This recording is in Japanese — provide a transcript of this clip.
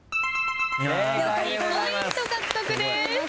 ２ポイント獲得です。